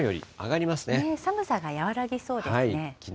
寒さが和らぎそうですね。